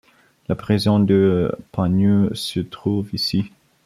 La prison de Panyu se trouve ici.